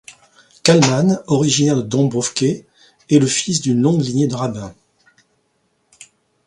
Kalman, originaire de Dombrovke, est le fils d’une longue lignée de rabbins.